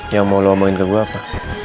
yang mau lu omongin ke gue apa